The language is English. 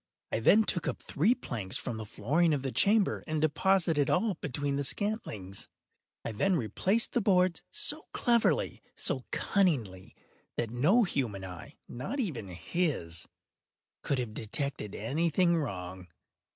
I then took up three planks from the flooring of the chamber, and deposited all between the scantlings. I then replaced the boards so cleverly, so cunningly, that no human eye—not even his—could have detected any thing wrong.